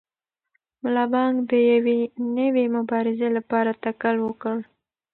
ملا بانګ د یوې نوې مبارزې لپاره تکل وکړ.